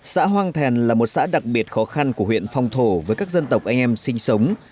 xã hoang thèn là một xã đặc biệt khó khăn của huyện phong thổ với các dân tộc anh em sinh sống